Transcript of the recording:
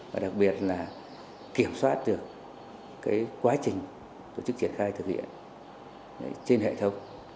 và đặc biệt là kiểm soát được quá trình tổ chức triển khai thực hiện trên hệ thống